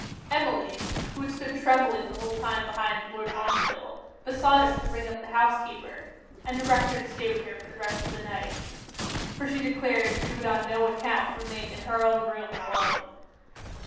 Emmeline, who had stood trembling the whole time behind Lord Montreville, besought him to ring up the housekeeper, and direct her to stay with her for the rest of the night; for she declared she would on no account remain in her own room alone.